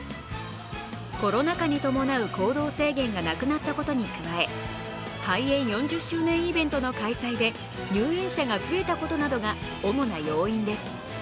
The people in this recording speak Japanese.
コロナ禍に伴う行動制限がなくなったことに加え開園４０周年イベントの開催で入園者が増えたことなどが主な要因です。